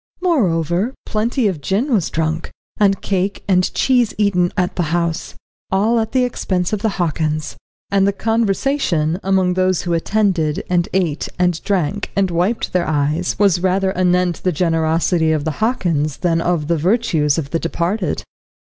Moreover, plenty of gin was drunk, and cake and cheese eaten at the house, all at the expense of the Hockins. And the conversation among those who attended, and ate and drank, and wiped their eyes, was rather anent the generosity of the Hockins than of the virtues of the departed.